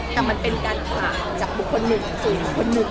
แต่มันเป็นการฝากจับบุคคลหนึ่งสื่อของคนหนึ่ง